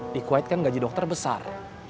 di kuwait kan gaji dokter besar